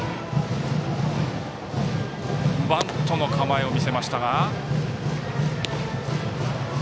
バントの構えを見せましたが。